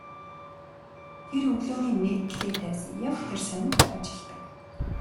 Тэр өглөөний нийтлэлийг тавьсан яг тэр сонинд ажилладаг.